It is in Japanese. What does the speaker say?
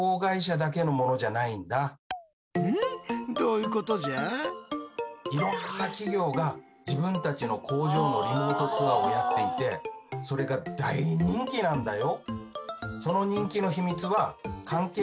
いろんな企業が自分たちの工場のリモートツアーをやっていてそれが大人気なんだよ。